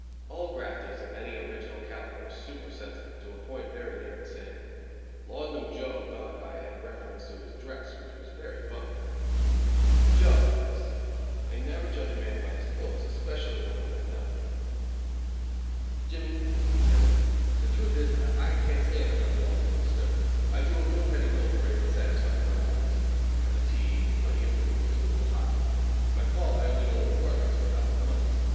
All grafters of any original calibre are super sensitive, to a point very near insanity. Laudanum Joe thought I had reference to his dress, which was very bum. "Joe," I said, "I never judge a man by his clothes, especially one that I know." "Jimmy," he said, "the truth is I can't stand another long bit in stir. I do a little petty pilfering that satisfies my wants a cup of tea, plenty of booze, and a little hop. If I fall I only go to the workhouse for a couple of months.